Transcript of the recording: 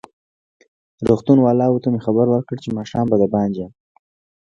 روغتون والاوو ته مې خبر ورکړ چې ماښام به دباندې یم.